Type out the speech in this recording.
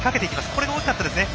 これが大きかったですね。